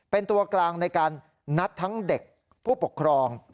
เป็นตัวกลางในการนัดทั้งเด็กผู้ปกครอง